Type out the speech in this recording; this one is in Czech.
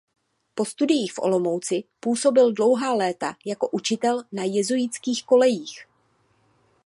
Po studiích v Olomouci působil dlouhá léta jako učitel na jezuitských kolejích.